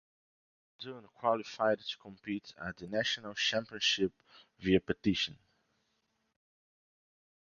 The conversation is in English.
Dunne qualified to compete at the National Championships via petition.